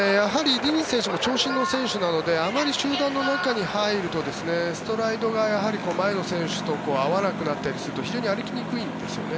ディニズ選手も長身の選手なのであまり集団の中に入るとストライドが前の選手と合わなくなったりすると非常に歩きにくいんですよね。